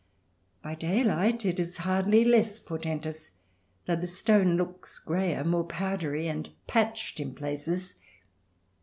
By daylight it is hardly less portentous, though the stone looks greyer, more powdery, and patched in places.